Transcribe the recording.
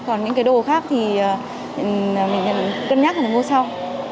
còn những đồ khác thì mình cần cân nhắc mua sau